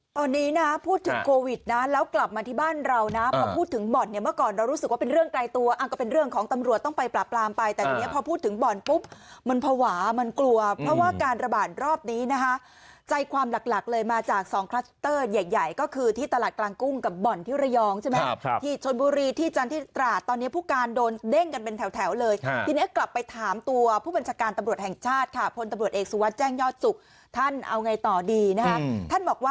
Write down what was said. ตอนนี้นะพูดถึงโควิดนะแล้วกลับมาที่บ้านเรานะพอพูดถึงบ่อนเนี่ยเมื่อก่อนเรารู้สึกว่าเป็นเรื่องไกลตัวอังกฎเป็นเรื่องของตำรวจต้องไปปรับปรามไปแต่ตอนนี้พอพูดถึงบ่อนปุ๊บมันภาวะมันกลัวเพราะว่าการระบาดรอบนี้นะฮะใจความหลักเลยมาจากสองคลัสเตอร์ใหญ่ก็คือที่ตลาดกลางกุ้งกับบ่อนที่ระยองใช่ไหม